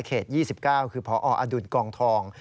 ๒๙คือพออดุลกองทอง